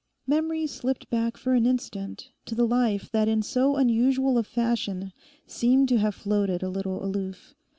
Memory slipped back for an instant to the life that in so unusual a fashion seemed to have floated a little aloof.